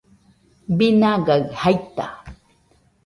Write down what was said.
binagai jaita